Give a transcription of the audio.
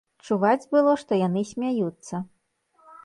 Чуваць было, што яны смяюцца.